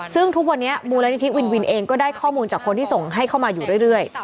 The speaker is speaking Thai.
ซึ่งทุกวันนี้มูลนิธิวินวินเองก็ได้ข้อมูลจากคนที่ส่งให้เข้ามาอยู่เรื่อย